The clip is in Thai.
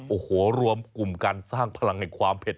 โอ้โหรวมกลุ่มการสร้างพลังแห่งความเผ็ด